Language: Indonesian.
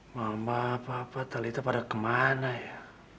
mama papa tali itu pada kemana ya